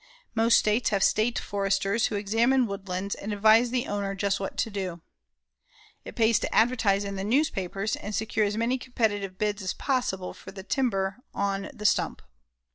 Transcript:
Most states have state foresters who examine woodlands and advise the owner just what to do. It pays to advertise in the newspapers and secure as many competitive bids as possible for the timber on the stump.